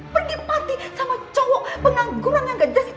pergi parti sama cowok pengangguran yang gajah